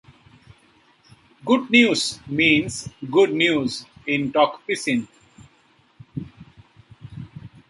"Gutnius" means "Good News" in Tok Pisin.